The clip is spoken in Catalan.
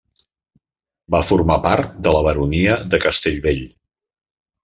Va formar part de la baronia de Castellvell.